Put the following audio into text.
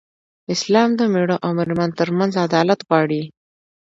اسلام د مېړه او مېرمن تر منځ عدالت غواړي.